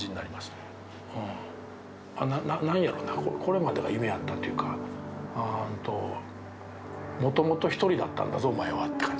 うん何やろなこれまでが夢やったっていうかうんと「もともと一人だったんだぞお前は」って感じ。